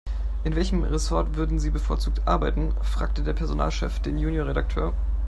"In welchem Ressort würden Sie bevorzugt arbeiten?", fragte der Personalchef den Junior-Redakteur.